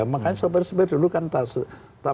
makanya sobat sobat dulu kan tak